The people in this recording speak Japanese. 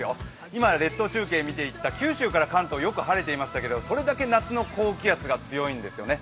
今、列島中継で見ていた九州から関東よく晴れていましたけど、それだけ夏の高気圧が強いんですよね。